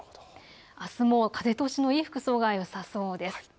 あすも風通しのいい服装がよさそうです。